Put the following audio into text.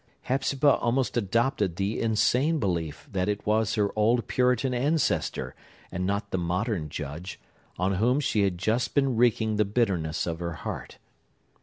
Hepzibah almost adopted the insane belief that it was her old Puritan ancestor, and not the modern Judge, on whom she had just been wreaking the bitterness of her heart.